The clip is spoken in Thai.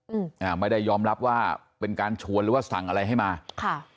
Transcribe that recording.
อืมอ่าไม่ได้ยอมรับว่าเป็นการชวนหรือว่าสั่งอะไรให้มาค่ะ